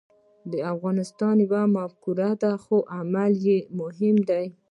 افغانیت یوه مفکوره ده، خو عمل ډېر مهم دی.